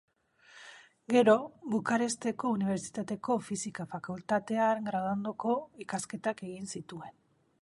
Gero, Bukaresteko Unibertsitateko Fisika Fakultatean graduondoko ikasketak egin zituen.